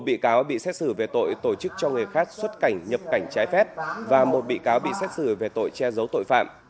một bị cáo bị xét xử về tội tổ chức cho người khác xuất cảnh nhập cảnh trái phép và một bị cáo bị xét xử về tội che giấu tội phạm